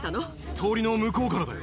通りの向こうからだよ。